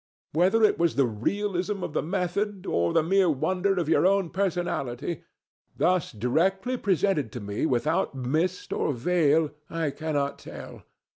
Whether it was the realism of the method, or the mere wonder of your own personality, thus directly presented to me without mist or veil, I cannot tell.